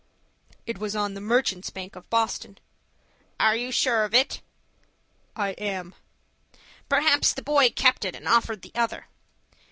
"It was on the Merchants' Bank of Boston." "Are you sure of it?" "I am." "Perhaps the boy kept it and offered the other."